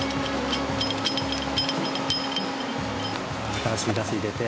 新しいガス入れて。